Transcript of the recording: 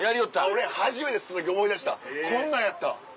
俺初めて吸った時思い出したこんなんやった。